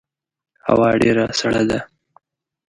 هوا ډیره سړه ده